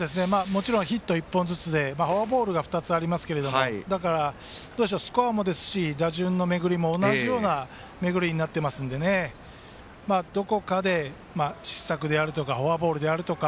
ヒット１本ずつでフォアボールが２つありますがだから、スコアもですし打順の巡りも同じような巡りになっているのでどこかで失策であるとかフォアボールであるとか。